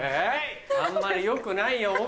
あんまりよくないよ大きいよ。